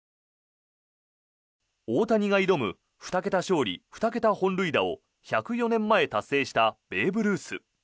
大谷が挑む２桁勝利２桁本塁打を１０４年前達成したベーブ・ルース。